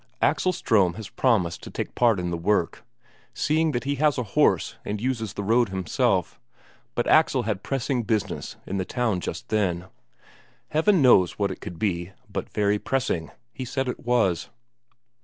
Axel Ström has promised to take part in the work, seeing that he has a horse and uses the road himself but Axel had pressing business in the town just then. Heaven knows what it could be, but very pressing, he said it was.